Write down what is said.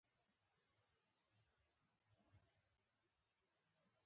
د وينا هره ټولګه د اوايي او غږيزو عناصرو څخه رامنځ ته کيږي.